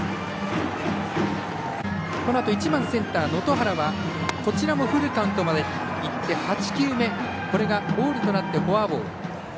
このあと１番センター、能登原はフルカウントまでいって８球目にボールとなってフォアボール。